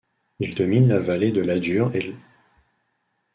Il domine la vallée de l'Adur et l'.